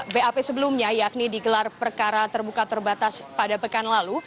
bap sebelumnya yakni digelar perkara terbuka terbatas pada pekan lalu